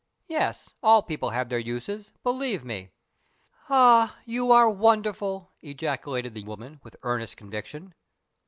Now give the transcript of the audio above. Yes; all people have their uses, believe me." "Ah, you are wonderful!" ejaculated the old woman, with earnest conviction.